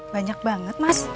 banyak banget mas